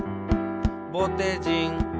「ぼてじん」